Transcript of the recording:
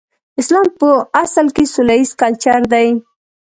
اسلام په اصل کې سوله ييز کلچر دی.